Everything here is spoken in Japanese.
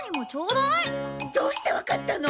どうしてわかったの！？